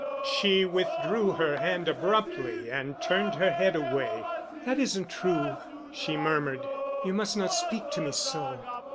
She withdrew her hand abruptly and turned her head away. "That isn't true," she murmured. "You must not speak to me so."